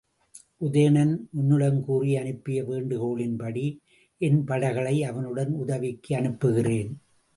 உதயணன் உன்னிடம் கூறி அனுப்பிய வேண்டுகோளின்படியே என் படைகளை அவனுடன் உதவிக்கு அனுப்புகிறேன்.